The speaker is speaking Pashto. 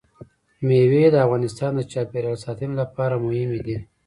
مېوې د افغانستان د چاپیریال ساتنې لپاره مهم دي.